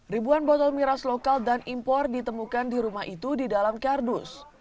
ribuan botol miras lokal dan impor ditemukan di rumah itu di dalam kardus